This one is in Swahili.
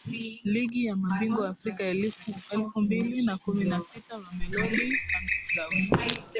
Ligi ya Mabingwa Afrika elfu mbili na kumi na sita Mamelodi Sundowns